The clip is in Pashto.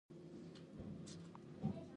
ژوندي د ژوند څرک بل ساتي